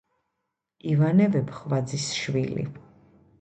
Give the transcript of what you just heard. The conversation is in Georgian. ივანე ვეფხვაძის შვილი.